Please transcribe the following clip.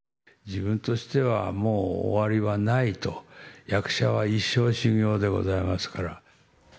自分としてはもう終わりはないと、役者は一生修業でございますから。